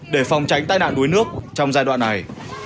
để phòng tránh tai nạn đuối nước trong giai đoạn này